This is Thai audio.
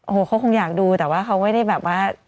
โอ้โหเขาคงอยากดูแต่ว่าเขาไม่ได้แบบว่า